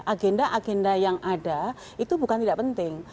agenda agenda yang ada itu bukan tidak penting